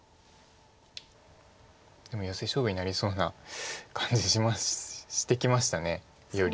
でもヨセ勝負になりそうな感じしてきましたより。